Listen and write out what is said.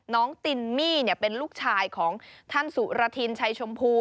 ตินมี่เป็นลูกชายของท่านสุรทินชัยชมพู